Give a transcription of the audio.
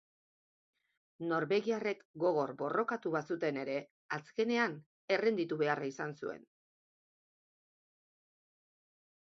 Norvegiarrek gogor borrokatu bazuten ere azkenean errenditu beharra izan zuen.